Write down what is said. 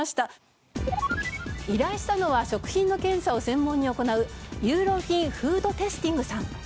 依頼したのは食品の検査を専門に行うユーロフィン・フード・テスティングさん。